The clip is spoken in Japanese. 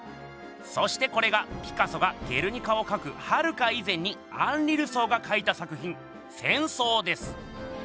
そしてこれがピカソが「ゲルニカ」をかくはるか以前にアンリ・ルソーがかいた作品「戦争」です！